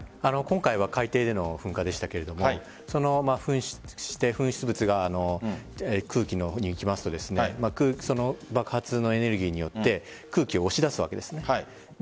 今回は海底での噴火でしたが噴出物が空気の方に行きますと爆発のエネルギーによって空気を押し出すわけです。